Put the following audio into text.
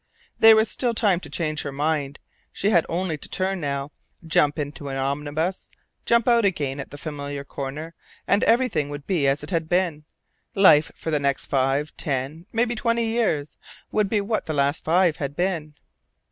There was time still to change her mind. She had only to turn now ... jump into an omnibus ... jump out again at the familiar corner, and everything would be as it had been. Life for the next five, ten, maybe twenty years, would be what the last five had been.